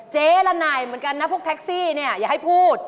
เจ๊ละนายเหมือนกันนะพวกแท็กซี่เนี่ยอย่าให้พูด